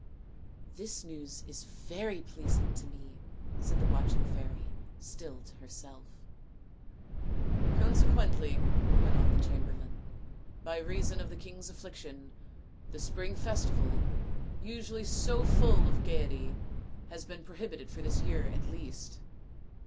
" This news is very pleasing to me," said the watching fairy, still to herself. " Consequently," went on the chamberlain, " by reason of the king's affliction, the spring festival, usually so full of gaiety, has been prohibited for this year at least.